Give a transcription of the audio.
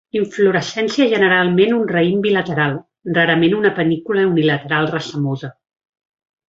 Inflorescència generalment un raïm bilateral, rarament una panícula unilateral racemosa.